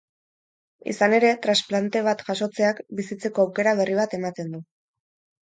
Izan ere, transplante bat jasotzeak bizitzeko aukera berri bat ematen du.